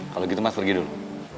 kalau gitu mas pergi dulu